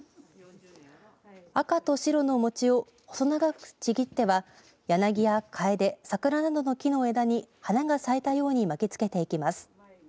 赤と白の餅を細長くちぎっては柳やカエデ、桜などの木の枝に花が咲いたように巻きつけていきます。